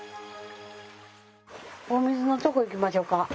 お水のとこ行きましょか。